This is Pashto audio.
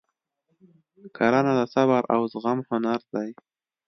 کرنه د صبر او زغم هنر دی.